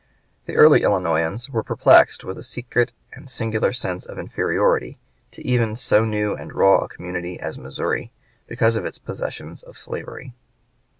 The early Illinoisans were perplexed with a secret and singular sense of inferiority to even so new and raw a community as Missouri, because of its possession of slavery.